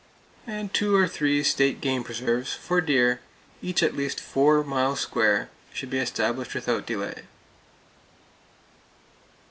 Two or three state game preserves, for deer, each at least four miles square, should be established without delay.